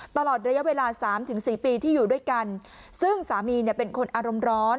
ตลอดระยะเวลาสามถึงสี่ปีที่อยู่ด้วยกันซึ่งสามีเนี่ยเป็นคนอารมณ์ร้อน